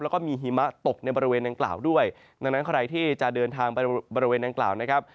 แล้วก็มีหิมะตกในบริเวณดังกล่าวด้วยดังนั้นใครที่จะเดินทางไปบริเวณนางกล่าวนะครับ